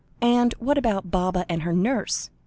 "And what about Baba and her nurse?"